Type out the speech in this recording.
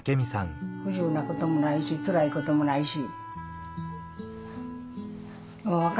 不自由なこともないしつらいこともないし。